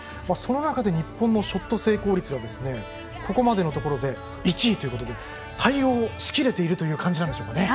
その中で日本のショット成功率がここまでで１位ということで対応し切れている感じでしょうか。